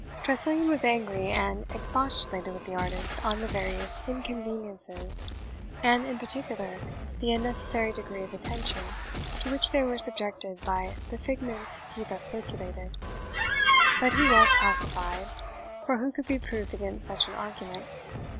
Tressilian was angry, and expostulated with the artist on the various inconveniences, and, in particular, the unnecessary degree of attention to which they were subjected by the figments he thus circulated; but he was pacified (for who could be proof against such an argument?)